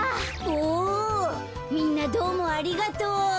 おみんなどうもありがとう。